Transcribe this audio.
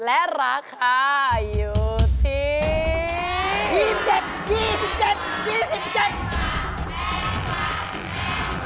และราคาอยู่ที่